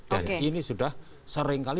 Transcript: dan ini sudah sering kali